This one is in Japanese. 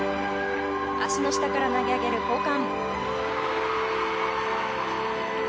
足の下から投げ上げる交換。